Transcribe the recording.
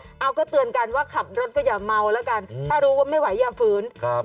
เอาก็เตือนกันว่าขับรถก็อย่าเมาแล้วกันถ้ารู้ว่าไม่ไหวอย่าฝืนครับ